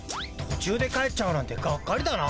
とちゅうで帰っちゃうなんてがっかりだな。